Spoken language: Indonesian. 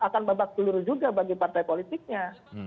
akan babak peluru juga bagi partai politiknya